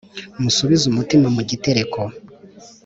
Musubize umutima mu gitereko,